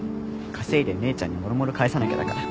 稼いで姉ちゃんにもろもろ返さなきゃだから。